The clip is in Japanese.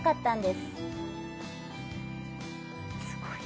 すごい。